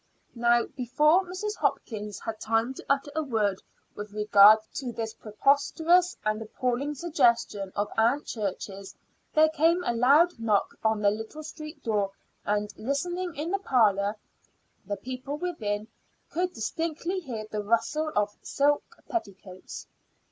Now, before Mrs. Hopkins had time to utter a word with regard to this preposterous and appalling suggestion of Aunt Church's, there came a loud knock on the little street door, and, listening in the parlor, the people within could distinctly hear the rustle of silk petticoats.